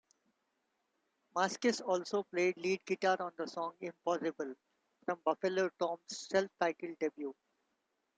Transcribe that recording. Mascis also played lead guitar on the song "Impossible" from Buffalo Tom's self-titled debut.